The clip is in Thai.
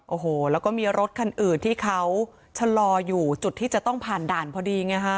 โอ้โหแล้วก็มีรถคันอื่นที่เขาชะลออยู่จุดที่จะต้องผ่านด่านพอดีไงฮะ